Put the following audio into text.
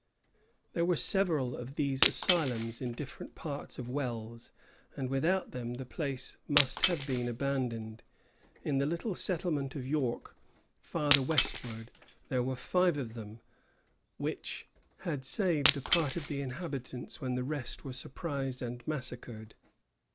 There were several of these asylums in different parts of Wells; and without them the place must have been abandoned. In the little settlement of York, farther westward, there were five of them, which had saved a part of the inhabitants when the rest were surprised and massacred.